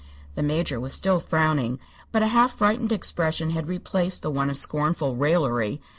The Major was still frowning, but a half frightened expression had replaced the one of scornful raillery.